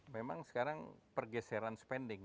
memang sekarang pergeseran spending